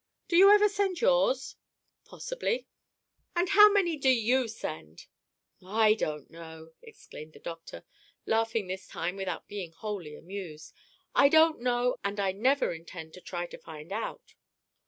"Do you ever send yours?" "Possibly." "And how many do you send?" "I don't know!" exclaimed the doctor, laughing this time without being wholly amused. "I don't know, and I never intend to try to find out."